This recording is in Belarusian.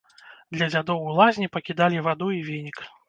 Для дзядоў у лазні пакідалі ваду і венік.